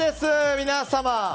皆様！